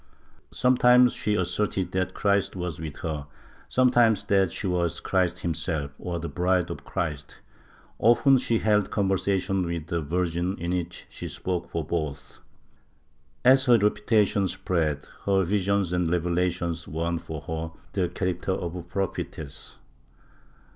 Sometimes she asserted that Christ was with her, sometimes that she was Christ himself or the bride of Christ ; often she held conversations with the Virgin in which she spoke for both. As her reputation spread, her visions and revelations won for her the character of a prophetess.